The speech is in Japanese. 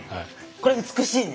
これ美しいね。